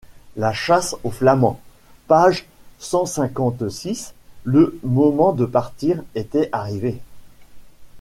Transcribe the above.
La chasse aux flamants. Page cent cinquante-six. Le moment de partir était arrivé.